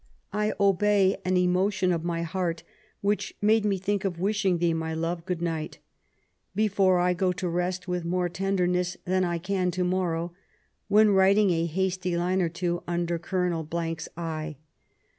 I obey an emotion of my heart which made me think of wishing thee, my love, good night I before I go to rest, with more tenderness than I can to morrow, when writing a hasty line or two under Oolonel 's eye.